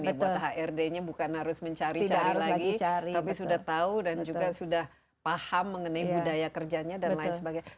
dibuat hrd nya bukan harus mencari cari lagi tapi sudah tahu dan juga sudah paham mengenai budaya kerjanya dan lain sebagainya